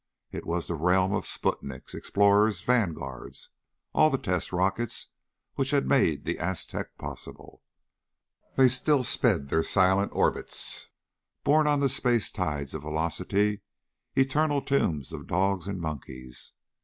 It was the realm of Sputniks ... Explorers ... Vanguards all the test rockets which had made the Aztec possible. They still sped their silent orbits, borne on the space tides of velocity; eternal tombs of dogs and monkeys.